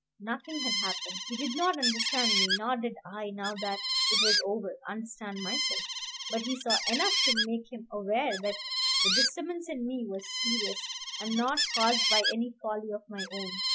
Nothing had happened. He did not understand me; nor did I, now that it was over, understand myself; but he saw enough to make him aware that the disturbance in me was serious, and not caused by any folly of my own.